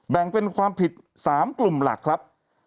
แบ่งเป็นความผิด๓กลุ่มหลักครับ